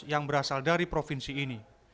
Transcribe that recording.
yang berasal dari provinsi ini